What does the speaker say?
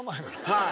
はい。